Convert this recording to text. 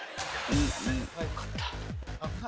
よかった。